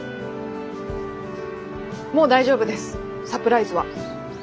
もう大丈夫ですサプライズは。